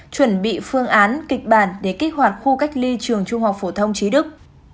chuẩn bị phương án kịch bản để kích hoạt khu cách ly trường trung học phổ thông trí đức